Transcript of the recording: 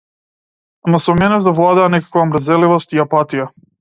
Ама со мене завладеа некаква мрзеливост и апатија.